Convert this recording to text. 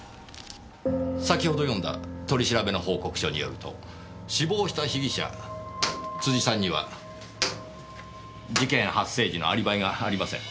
先ほど読んだ取り調べの報告書によると死亡した被疑者辻さんには事件発生時のアリバイがありません。